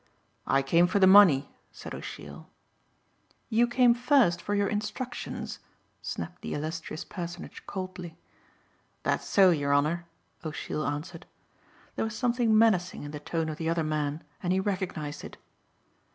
"I came for the money," said O'Sheill. "You came first for your instructions," snapped the illustrious personage coldly. "That's so, yer Honor," O'Sheill answered. There was something menacing in the tone of the other man and he recognized it.